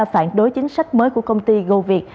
phản đối chính sách mới của công ty goviet